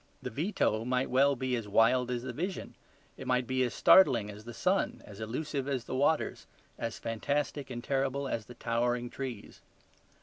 The veto might well be as wild as the vision; it might be as startling as the sun, as elusive as the waters, as fantastic and terrible as the towering trees.